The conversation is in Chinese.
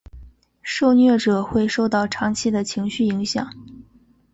受虐者会受到长期的情绪影响。